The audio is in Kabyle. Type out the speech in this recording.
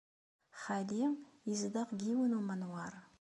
Xali yezdeɣ deg yiwen n umanwaṛ.